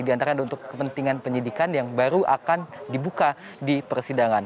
di antara untuk kepentingan penyidikan yang baru akan dibuka di persidangan